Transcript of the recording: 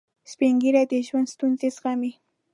سپین ږیری د ژوند ستونزې زغمي